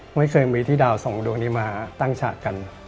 ไม่เคยมีที่ดาวสองดวงนี้มาตั้งฉากกัน